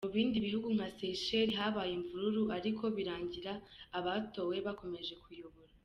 Mu bindi bihugu nka Seychelles, habaye imvururu ariko birangira abatowe bakomeje kuyobora.